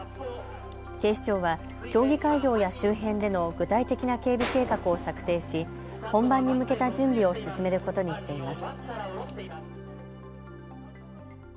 警視庁は競技会場や周辺での具体的な警備計画を策定し本番に向けた準備を進めることにしています。